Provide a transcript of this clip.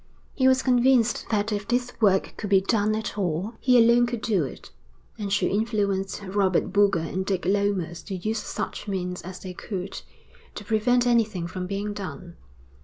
He was convinced that if this work could be done at all, he alone could do it; and she influenced Robert Boulger and Dick Lomas to use such means as they could to prevent anything from being done.